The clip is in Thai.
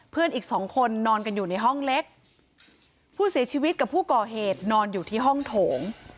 เพื่อนอีกสองคนนอนกันอยู่ในห้องเล็กผู้เสียชีวิตกับผู้ก่อเหตุนอนอยู่ที่ห้องโถง